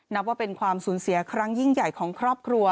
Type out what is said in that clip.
นับว่าเป็นความสูญเสียครั้งยิ่งใหญ่ของครอบครัว